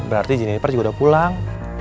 berarti juniper juga udah pulang